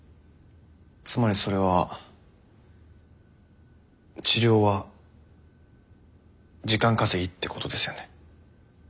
つまりそれは治療は時間稼ぎってことですよね？